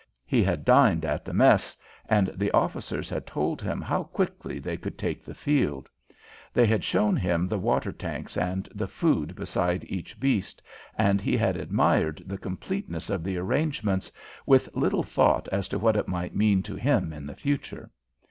He had dined at the mess, and the officers had told him how quickly they could take the field. They had shown him the water tanks and the food beside each beast, and he had admired the completeness of the arrangements, with little thought as to what it might mean to him in the future.